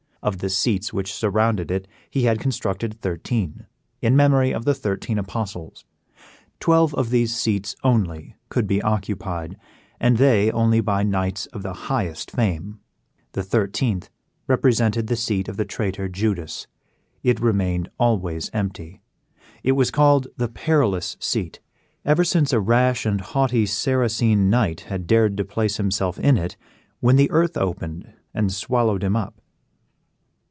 Of the seats which surrounded it he had constructed thirteen, in memory of the thirteen Apostles. Twelve of these seats only could be occupied, and they only by knights of the highest fame; the thirteenth represented the seat of the traitor Judas. It remained always empty. It was called the PERILOUS SEAT, ever since a rash and haughty Saracen knight had dared to place himself in it, when the earth opened and swallowed him up.